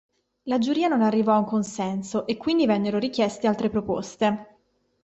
La giuria non arrivò a un consenso e quindi vennero richieste altre proposte.